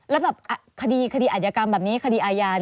แล้วแบบคดีอาจยกรรมแบบนี้คดีอาญา